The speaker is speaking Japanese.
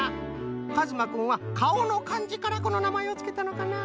かずまくんはかおのかんじからこのなまえをつけたのかな。